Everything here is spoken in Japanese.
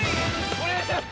お願いします！